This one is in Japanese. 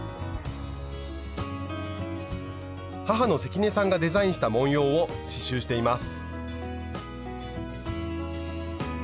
母の関根さんがデザインした文様を刺しゅうしています。